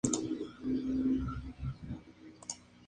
Las que ahora llamamos redes empezaron siendo sumamente groseras.